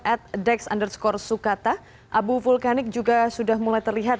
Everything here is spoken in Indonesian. at dex underscore sukata abu vulkanik juga sudah mulai terlihat